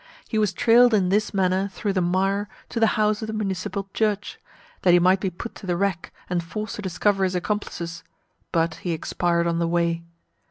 He was trailed in this manner through the mire to the house of the municipal judge, that he might be put to the rack, and forced to discover his accomplices; but he expired on the way.